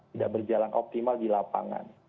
tidak berjalan optimal di lapangan